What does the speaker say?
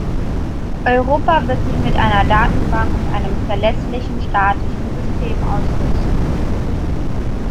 Europa wird sich mit einer Datenbank und einem verlässlichen statischen System ausrüsten.